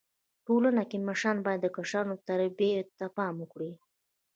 ټولنه کي مشران بايد د کشرانو و تربيي ته پام وکړي.